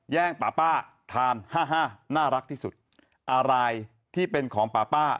แย่งป๊าป๊าทานฮ่าน่ารักที่สุดอะไรที่เป็นของป๊าป๊า